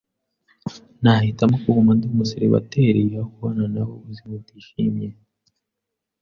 Nahitamo kuguma ndi umuseribateri aho kubana na we ubuzima butishimye.